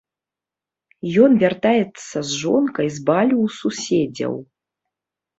Ён вяртаецца з жонкай з балю ў суседзяў.